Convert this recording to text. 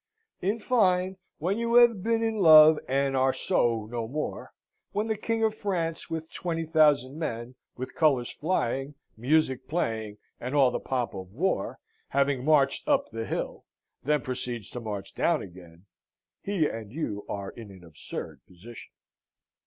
In fine, when you have been in love and are so no more, when the King of France, with twenty thousand men, with colours flying, music playing, and all the pomp of war, having marched up the hill, then proceeds to march down again, he and you are in an absurd position.